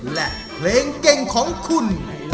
และเพลงเก่งของคุณ